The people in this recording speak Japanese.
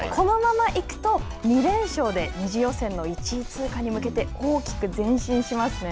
このまま行くと２連勝で２次予選の１位通過に向けて大きく前進しますね。